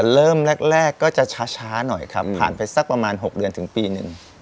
เริ่มแรกก็จะช้าหน่อยครับผ่านไปสักประมาณ๖เดือนถึงปีหนึ่ง